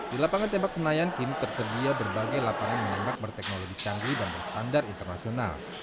di lapangan tembak senayan kini tersedia berbagai lapangan menembak berteknologi canggih dan berstandar internasional